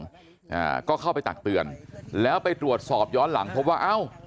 อ่าก็เข้าไปตักเตือนแล้วไปตรวจสอบย้อนหลังพบว่าเอ้า